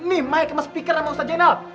mimik ke mas speaker sama ustadz jendal